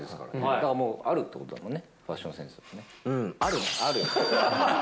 だからもうあるってことだもんね、ファッションセンスがね。うん、あるね。